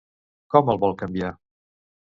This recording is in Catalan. Com el vol canviar?